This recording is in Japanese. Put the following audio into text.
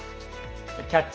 「キャッチ！